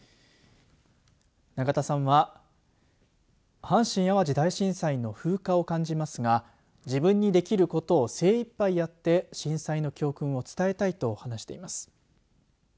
永田さんは阪神・淡路大震災の風化を感じますが自分にできることを精いっぱいやって震災の教訓を伝えたいと話しています。